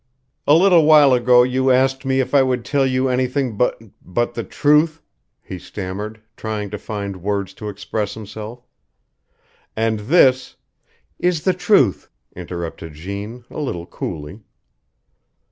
"A little while ago you asked me if I would tell you anything but but the truth," he stammered, trying to find words to express himself, "and this " "Is the truth," interrupted Jeanne, a little coolly.